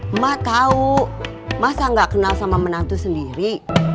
emak tahu masa gak kenal sama menantu sendiri